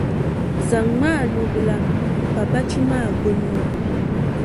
Zaŋmi a nubila m-pa bachi maa gbunni.